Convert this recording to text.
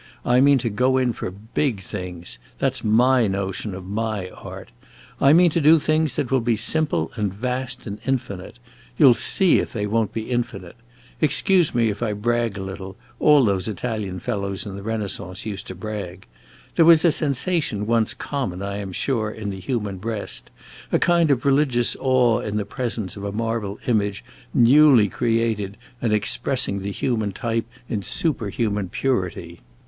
I mean to go in for big things; that 's my notion of my art. I mean to do things that will be simple and vast and infinite. You 'll see if they won't be infinite! Excuse me if I brag a little; all those Italian fellows in the Renaissance used to brag. There was a sensation once common, I am sure, in the human breast a kind of religious awe in the presence of a marble image newly created and expressing the human type in superhuman purity.